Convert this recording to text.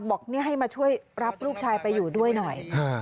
บอกเนี่ยให้มาช่วยรับลูกชายไปด้วยนะครับ